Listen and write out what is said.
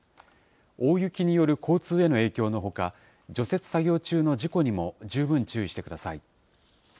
大雪による交通への影響のほか、除雪作業中の事故にも十分注意してください。